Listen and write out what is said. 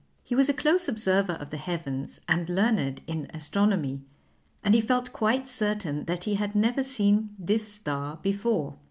He was a close observer of the heavens and learned in astronomy, and he felt quite certain that he had never seen this star before.